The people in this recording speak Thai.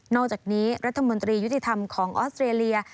อกจากนี้รัฐมนตรียุติธรรมของออสเตรเลีย